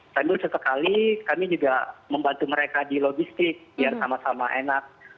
lalu setekali kami juga membantu mereka di logistik yang sama sama enak